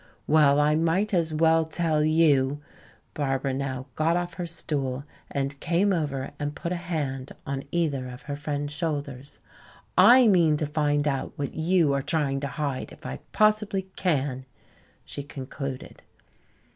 Well, I might as well tell you," Barbara now got off her stool and came over and put a hand on either of her friend's shoulders, "I mean to find out what you are trying to hide if I possibly can," she concluded.